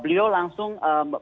beliau langsung eee